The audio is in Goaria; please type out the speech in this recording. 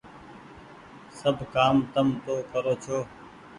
سب ڪآم تم تو ڪرو ڇو۔